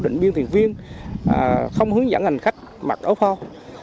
nhiều hành vi không hướng dẫn hành khách mặc áo phao